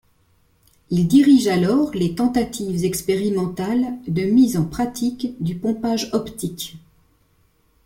Il dirige alors les tentatives expérimentales de mise en pratique du pompage optique.